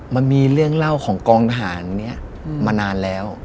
มันมีเรื่องเล่าของกองทหารนี้มานานแล้ว